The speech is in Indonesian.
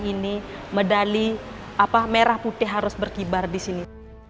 ini medali merah putih harus berkibar di sini